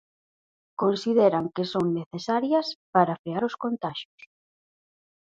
Consideran que son necesarias para frear os contaxios.